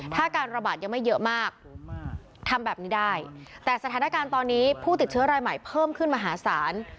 ถ้าการระบาดยังไม่เยอะมากทำแบบนี้ได้แต่สถานการณ์ตอนนี้ผู้ติดเชื้อรายใหม่เพิ่มขึ้นมหาศาล